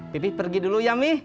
pipi pergi dulu ya mi